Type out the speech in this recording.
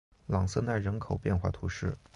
朗瑟奈人口变化图示